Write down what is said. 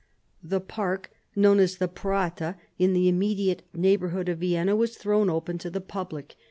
The park, known as the Prater, in the immediate neighbourhood of Vienna, was thrown open to the public.